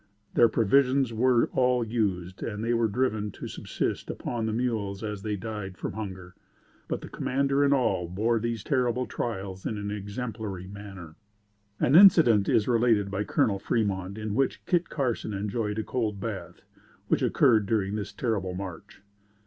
Their provisions were all used and they were driven to subsist upon the mules as they died from hunger. But, commander and all bore these terrible trials in an exemplary manner. An incident is related by Colonel Fremont, in which Kit Carson enjoyed a cold bath, which occurred during this terrible march.